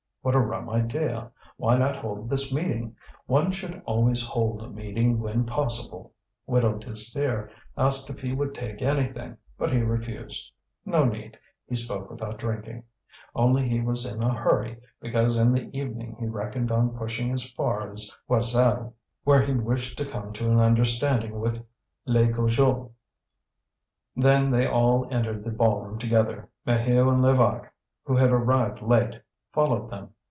What a rum idea! Why not hold this meeting? One should always hold a meeting when possible. Widow Désir asked if he would take anything, but he refused. No need; he spoke without drinking. Only he was in a hurry, because in the evening he reckoned on pushing as far as Joiselle, where he wished to come to an understanding with Legoujeux. Then they all entered the ball room together. Maheu and Levaque, who had arrived late, followed them.